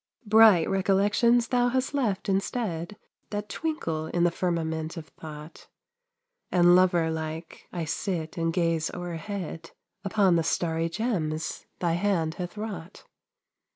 Bright recollections thou hast left instead, That twinkle in the firmament of thought, And lover like I sit and gaze o'erhead Upon the starry gems thy hand has wrought.